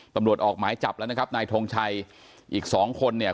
ตำรวจออกหมายจับแล้วนะครับนายทงชัยอีกสองคนเนี่ย